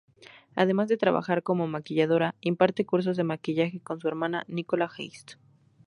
Además de trabajar como maquilladora, imparte cursos de maquillaje con su hermana, Nicola Haste.